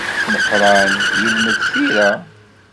Meqqran yelmed tira.